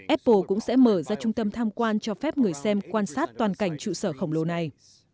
apple cũng sẽ mở ra trung tâm tham quan cho phép người xem quan sát toàn cảnh trụ sở khổng lồ này